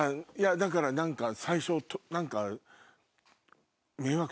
だから最初何か。